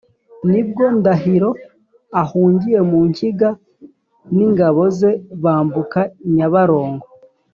nibwo ndahiro ahungiye mu nkiga n’ingabo ze bambuka nyabarongo.